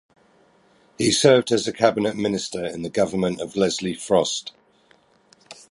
He served as a cabinet minister in the government of Leslie Frost.